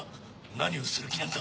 何をする気なんだ？